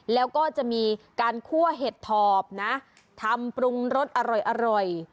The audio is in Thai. แล้วก็จะมีการคั่วเห็ดถอบนะทำปรุงรสอร่อย